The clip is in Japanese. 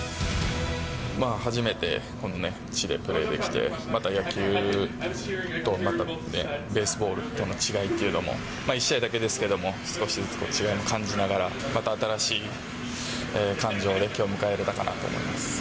まあ、初めてこの地でプレーできて、また野球とベースボールとの違いっていうのも、１試合だけですけども、少しずつ違いも感じながら、また新しい感情できょう迎えられたかなと思います。